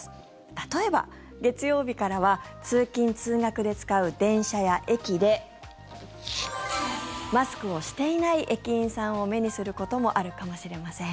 例えば、月曜日からは通勤・通学で使う電車や駅でマスクをしていない駅員さんを目にすることもあるかもしれません。